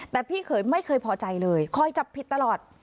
แต่พี่เขยไม่เคยพอใจเลยคอยจับผิดตลอด